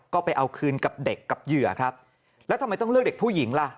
ก็ไปเอาคืนกับเด็กกับเหยื่อครับแล้วทำไมต้องเลือกเด็กผู้หญิงล่ะ